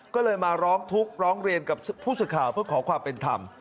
ก็เลยมาร้องทุกข์ร้องเรียนกับผู้สื่อข่าวเพื่อขอความเป็นธรรม